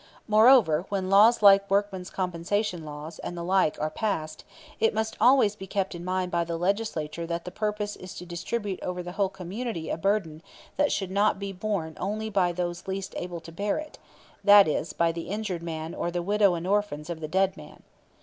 Moreover, when laws like workmen's compensation laws, and the like are passed, it must always be kept in mind by the Legislature that the purpose is to distribute over the whole community a burden that should not be borne only by those least able to bear it that is, by the injured man or the widow and orphans of the dead man.